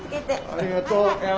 ありがとう。